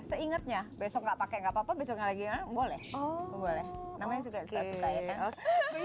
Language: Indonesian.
seingetnya besok enggak pakai enggak papa besok lagi boleh boleh namanya sudah